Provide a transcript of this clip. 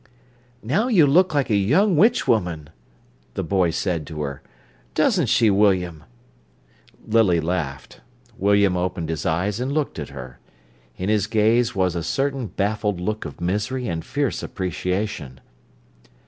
"Now you look like a young witch woman," the boy said to her. "Doesn't she, William?" Lily laughed. William opened his eyes and looked at her. In his gaze was a certain baffled look of misery and fierce appreciation.